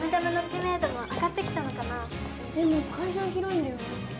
でも会場広いんだよね